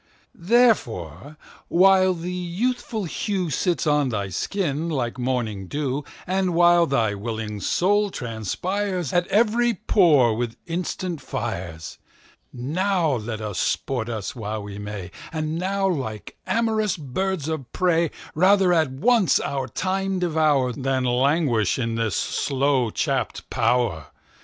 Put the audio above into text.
Now therefore, while the youthful hewSits on thy skin like morning [dew]And while thy willing Soul transpiresAt every pore with instant Fires, Now let us sport us while we may; And now, like am'rous birds of prey, Rather at once our Time devour, Than languish in his slow chapt pow'r.